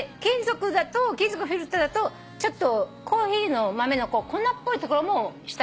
金属のフィルターだとちょっとコーヒーの豆の粉っぽいところも下に。